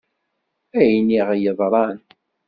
Ayen i ɣ-yeḍṛan.